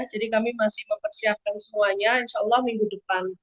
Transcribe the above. jadi kami masih mempersiapkan semuanya insya allah minggu depan